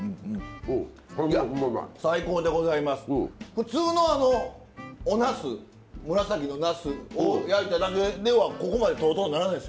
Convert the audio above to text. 普通のおなす紫のなすを焼いただけではここまでトロトロにならないですよね。